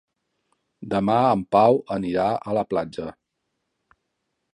Demà en Pau anirà a la platja.